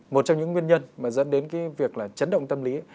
một trong những nguyên nhân mà dẫn đến cái việc là chấn động tâm lý